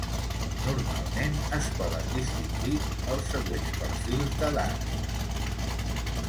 Normalment, es poden distingir els següents perfils d'edat.